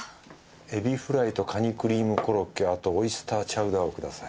海老フライとカニクリームコロッケあとオイスターチャウダーをください。